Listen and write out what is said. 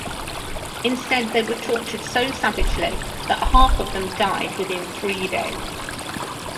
Instead they were tortured so savagely that half of them died within three days.